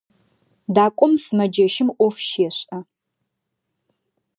Дакӏом сымэджэщым ӏоф щешӏэ.